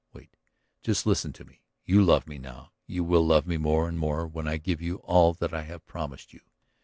Wait; just listen to me! You love me now; you will love me more and more when I give you all that I have promised you.